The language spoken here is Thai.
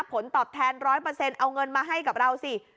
ผลตอบแทน๑๐๐เอาเงินมาให้กับเราสิ